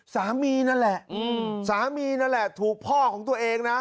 สามีนั่นแหละสามีนั่นแหละถูกพ่อของตัวเองนะ